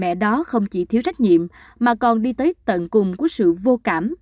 mẹ đó không chỉ thiếu trách nhiệm mà còn đi tới tận cùng của sự vô cảm